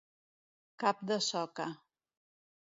Cap de soca.